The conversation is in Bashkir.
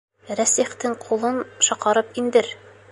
Рәсихтең ҡулын шаҡарып индер!